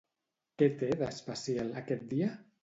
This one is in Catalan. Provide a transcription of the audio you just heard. Què té, d'especial, aquest dia?